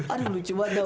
aduh lucu banget ya